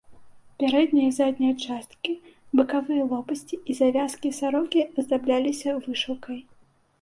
Пярэдняя і задняя часткі, бакавыя лопасці і завязкі сарокі аздабляліся вышыўкай.